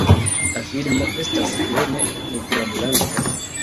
La filmo estas plene nigrablanka.